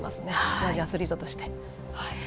同じアスリートとして。